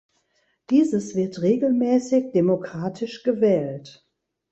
Dieses wird regelmäßig demokratisch gewählt.